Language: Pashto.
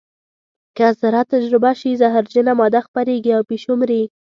که ذره تجزیه شي زهرجنه ماده خپرېږي او پیشو مري.